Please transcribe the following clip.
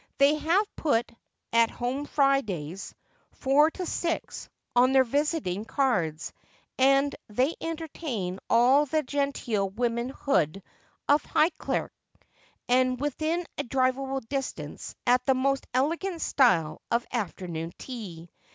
They have put 'At Home Fridays, 4 to G,' on their visiting cards, and they entertain all the genteel womanhood of Highclere, and within a driveable distance, at the most elegant style of afternoon tea.